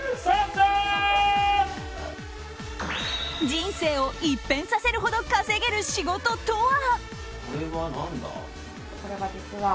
人生を一変させるほど稼げる仕事とは？